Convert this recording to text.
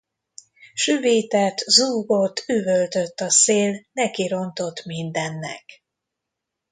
Süvített, zúgott, üvöltött a szél, nekirontott mindennek.